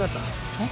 えっ？